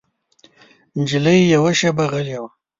نجلۍ یوه شېبه غلی وه.